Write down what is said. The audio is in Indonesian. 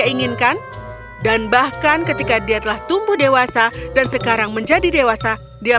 dia inginkan dan bahkan ketika dia telah tumbuh dewasa dan sekarang menjadi dewasa dia